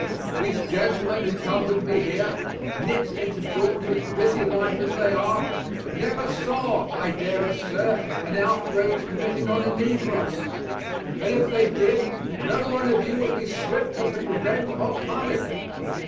These gentlemen who come with me here, knit into Georgia's busy life as they are, never saw, I dare assert, an outrage committed on a negro! And if they did, no one of you would be swifter to prevent or punish.